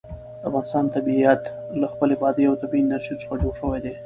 د افغانستان طبیعت له خپلې بادي او طبیعي انرژي څخه جوړ شوی دی.